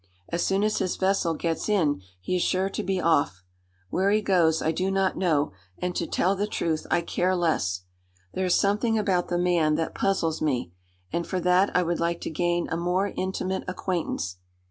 As soon as his vessel gets in he is sure to be off. Where he goes I do not know; and, to tell the truth, I care less. There is something about the man that puzzles me, and for that I would like to gain a more intimate acquaintance.